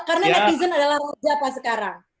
karena netizen adalah raja pas sekarang